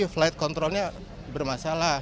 flight controlnya bermasalah